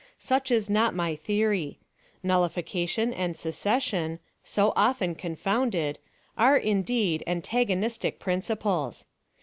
Such is not my theory. Nullification and secession, so often confounded, are, indeed, antagonistic principles.